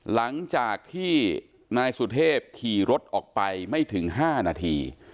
หลังจากที่นายสุเทพขี่รถออกไปไม่ถึง๕นาที